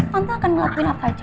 tante akan ngelakuin apa aja